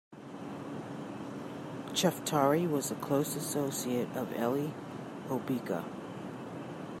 Chaftari was a close associate of Elie Hobeika.